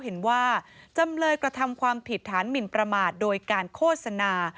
เห็นว่าจำเลยกระทำความผิดฐานหมินประมาทโดยการโฆษณา